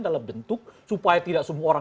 dalam bentuk supaya tidak semua orang